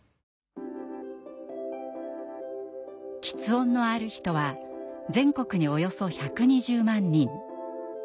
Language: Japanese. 吃音のある人は全国におよそ１２０万人。